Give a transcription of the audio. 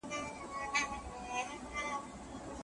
يوسف عليه السلام د عزيز مصر د ميرمني لخوا هم ازار سو.